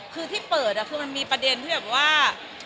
คือที่เปิดคือมันมีประเด็นที่แบบว่า